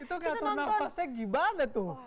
itu jatuh nafasnya gimana tuh